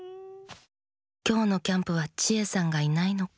「きょうのキャンプはチエさんがいないのか。